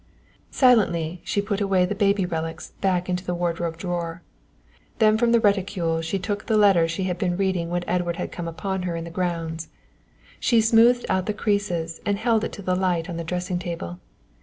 Silently she put away the baby relics back into the wardrobe drawer. Then from the reticule she took the letter she had been reading when Edward had come upon her in the grounds. She smoothed out the creases and held it to the light on the dressing table.